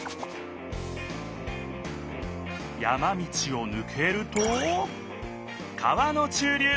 山道をぬけると川の中流。